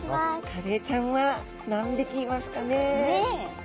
カレイちゃんは何匹いますかね。ね！